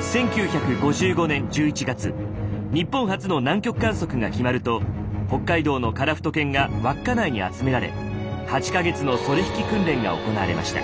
１９５５年１１月日本初の南極観測が決まると北海道のカラフト犬が稚内に集められ８か月のソリ引き訓練が行われました。